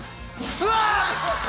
うわ！